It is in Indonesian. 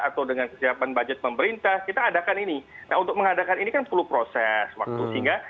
atau dengan kesiapan budget pemerintah kita adakan ini nah untuk mengadakan ini kan sepuluh proses waktu sehingga